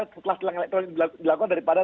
setelah tilang elektronik dilakukan daripada